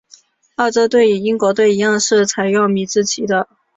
澳洲队与英国队一样是采用米字旗的。